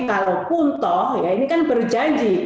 kalau pun toh ini kan berjanji